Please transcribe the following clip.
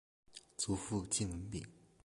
祖父靳文昺。